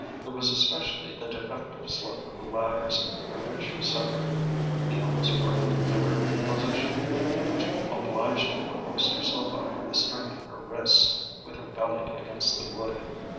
It was especially the defective slope of the ladders from which she suffered, the almost perpendicular position which obliged her to hoist herself up by the strength of her wrists, with her belly against the wood.